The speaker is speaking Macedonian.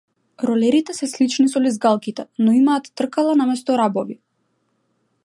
Ролерите се слични со лизгалките, но имаат тркала наместо рабови.